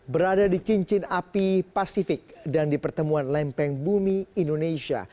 berada di cincin api pasifik dan di pertemuan lempeng bumi indonesia